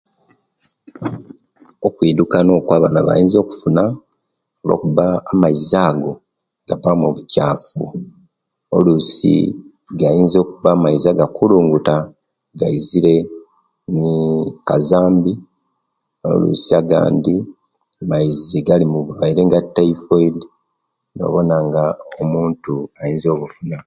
Okwidukana okwo abaana bayinza okufuna olwokuba amaizi ago gabamu bukyafu olusi gayinza kuba maizi gakulunguta gaizira nikazambi lwisi gandi maizi galimu bulwaire nga taifodi nobonanga ngomuntu ayinza bufuna.